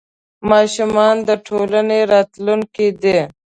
ماشومان د ټولنې راتلونکې دي.